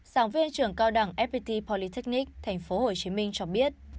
sảng viên trưởng cao đẳng fpt polytechnic tp hcm cho biết